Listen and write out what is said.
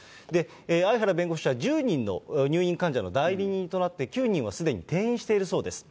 相原弁護士は１０人の入院患者の代理人となって、９人はすでに転院しているそうです。